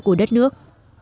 của đất nước